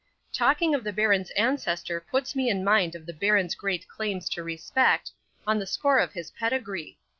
'Talking of the baron's ancestor puts me in mind of the baron's great claims to respect, on the score of his pedigree.